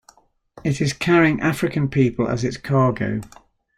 It is carrying African people as its cargo.